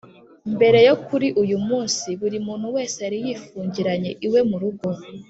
Mbere yo kuri uyu munsi, buri muntu wese yari yifungiranye iwe mu rugo